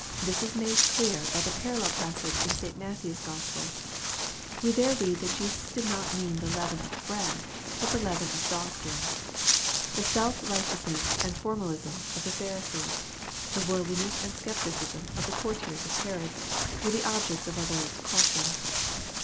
This is made clear by the parallel passage i& St. Matthew's Gospel. We there read that Jesus did nr^t mean the leaven of " bread," but the leaven of " doctrine." The self righteousness and formalism of the Pharisees the worldliness and scepticism of the courtiers of Herod, were the object of our Lord's caution.